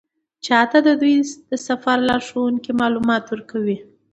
چا ته د دوی د سفر لارښوونکي معلومات ورکوي.